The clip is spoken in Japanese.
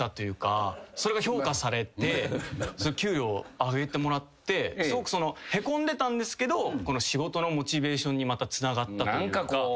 それが評価されて給料上げてもらってすごくへこんでたんですけど仕事のモチベーションにまたつながったというか。